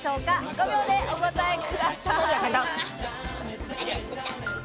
５秒でお答えください。